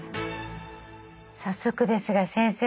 早速ですが先生。